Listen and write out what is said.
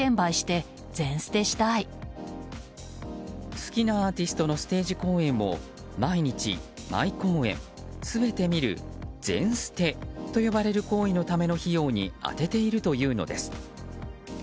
好きなアーティストのステージ公演を毎日、毎公演全て見る全ステと呼ばれる行為のための費用に充てているというのです。